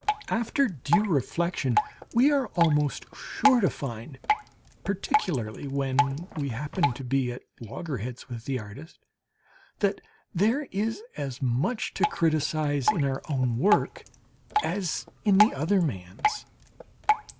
After due reflection we are almost sure to find particularly when we happen to be at loggerheads with the artist that there is as much to criticize in our own work as in the other man's.